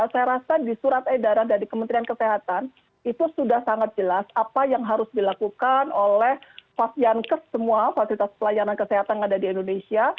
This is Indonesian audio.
saya rasa di surat edaran dari kementerian kesehatan itu sudah sangat jelas apa yang harus dilakukan oleh fashiankes semua fasilitas pelayanan kesehatan yang ada di indonesia